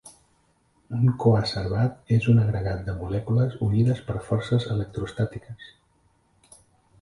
Un coacervat és un agregat de molècules unides per forces electroestàtiques.